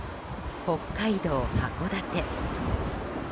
北海道函館。